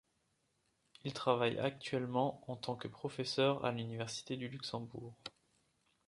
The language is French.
Il travaille actuellement en tant que professeur à l'université du Luxembourg.